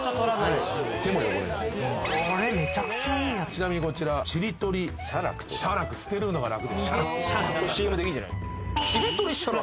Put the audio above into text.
ちなみにこちらちりとり捨楽と。捨てるのが楽で捨楽。